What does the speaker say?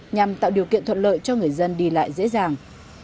nhằm tạo điều kiện thuận lợi cho người dân đi lại dễ dàng